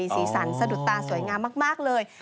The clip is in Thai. สีสันสะดุดตาสวยงามมากเลย